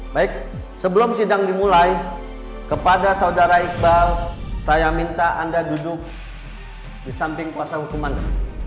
baik saya persilakan kepada saksi kunci untuk memberikan kesaksiannya